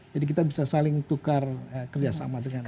jadi kita bisa saling tukar kerjasama dengan negara negara